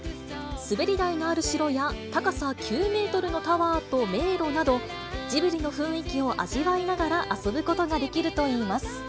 滑り台のある城や、高さ９メートルのタワーと迷路など、ジブリの雰囲気を味わいながら遊ぶことができるといいます。